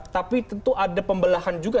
tapi tentu ada pembelahan juga